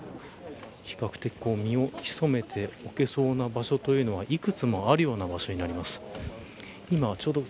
比較的身を潜めておけそうな場所というのもいくつもあるような場所になります。